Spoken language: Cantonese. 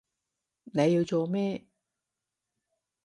你要做咩？